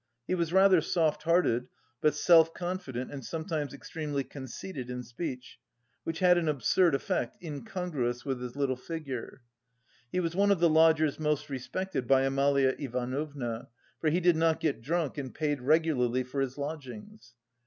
He was rather soft hearted, but self confident and sometimes extremely conceited in speech, which had an absurd effect, incongruous with his little figure. He was one of the lodgers most respected by Amalia Ivanovna, for he did not get drunk and paid regularly for his lodgings.